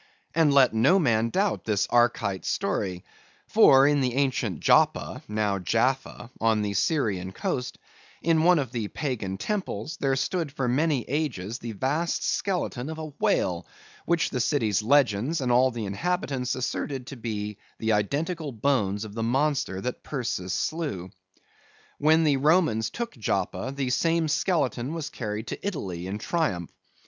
And let no man doubt this Arkite story; for in the ancient Joppa, now Jaffa, on the Syrian coast, in one of the Pagan temples, there stood for many ages the vast skeleton of a whale, which the city's legends and all the inhabitants asserted to be the identical bones of the monster that Perseus slew. When the Romans took Joppa, the same skeleton was carried to Italy in triumph.